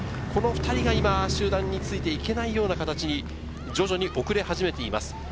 この２人が今、集団について行けない感じ、徐々に遅れ始めています。